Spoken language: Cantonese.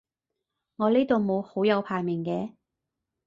我呢度冇好友排名嘅